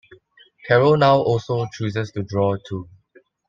Carol now also chooses to draw two.